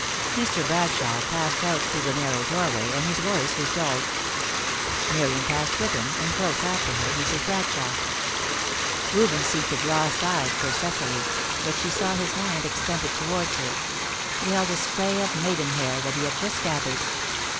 Mr. Bradshaw passed out through the narrow doorway, and his voice was dulled; Miriam passed with him, and, close after her, Mrs. Bradshaw. Reuben seemed to draw aside for Cecily, but she saw his hand extended towards her it held a spray of maidenhair that he had just gathered.